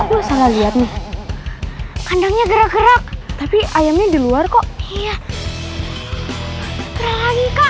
aduh salah lihat nih kandangnya gerak gerak tapi ayamnya di luar kok iya